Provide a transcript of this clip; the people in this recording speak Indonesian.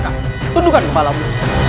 kamandaka tundukkan kepalamu